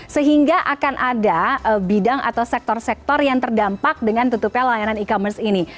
sehingga akan ada bidang atau sektor sektor yang terdampak dengan tutupnya layanan e commerce ini